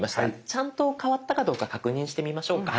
ちゃんと変わったかどうか確認してみましょうか。